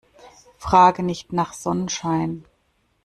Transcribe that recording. Frage nicht nach Sonnenschein.